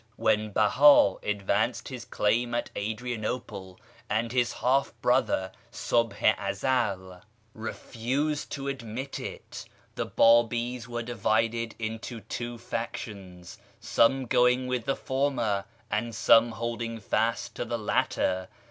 When Beha advanced his claim at Adrianople, and his half brother, Subh i Ezel, refused to admit k AMONGST THE KALANDARS 513 it, the Babis were divided into two factions, some going witli the former, and some holding fast to the latter.